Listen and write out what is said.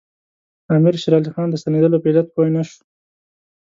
امیر شېر علي خان د ستنېدلو په علت پوه نه شو.